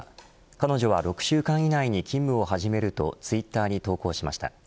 彼女は６週間以内に勤務を始めるとツイッターに投稿しました。